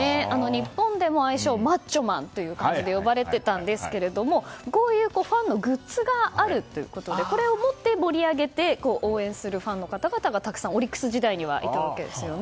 日本でも、愛称マッチョマンと呼ばれていたんですけれどもこういう、ファンのグッズがあるということでこれを持って盛り上げて応援するファンの方々がたくさん、オリックス時代にはいたわけですよね。